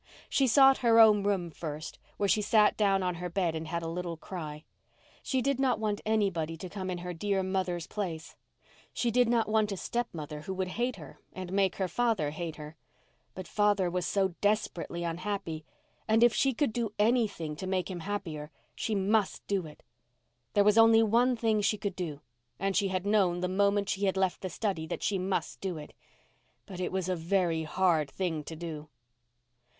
She sought her own room first where she sat down on her bed and had a little cry. She did not want anybody to come in her dear mother's place. She did not want a stepmother who would hate her and make her father hate her. But father was so desperately unhappy—and if she could do any anything to make him happier she must do it. There was only one thing she could do—and she had known the moment she had left the study that she must do it. But it was a very hard thing to do.